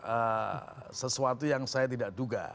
ya saya kira sesuatu yang saya tidak duga